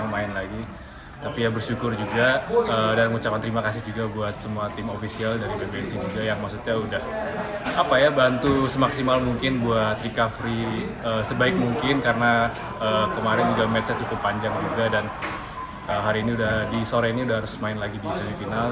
ginting gemesnya cukup panjang juga dan hari ini udah di sore ini udah harus main lagi di semifinal